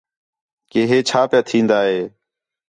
کہ ہِے چھا پِیا تِھین٘دا ہِے